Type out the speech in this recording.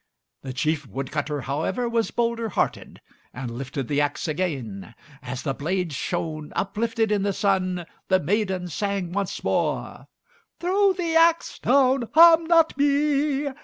The chief wood cutter, however, was bolder hearted, and lifted the axe again. As the blade shone uplifted in the sun, the maiden sang once more, "Throw the axe down, harm not me.